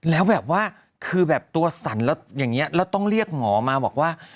แล้วแบบว่าคือแบบตัวสั่นแล้วอย่างนี้แล้วต้องเรียกหมอมาบอกว่า